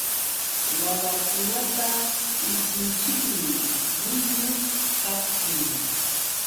Wawakunata illpunchikmi llullu kaptin.